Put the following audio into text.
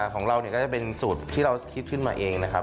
ของเราเนี่ยก็จะเป็นสูตรที่เราคิดขึ้นมาเองนะครับ